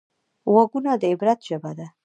غوږونه د عبرت ژبه ده